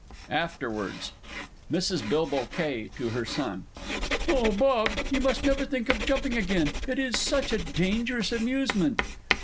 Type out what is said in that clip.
AFTERWARDS. MRS. B. K. (to her SON). Oh, Bob, you must never think of jumping again it is such a dangerous amusement!